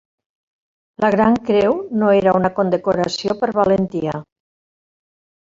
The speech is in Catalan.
La Gran Creu no era una condecoració per valentia.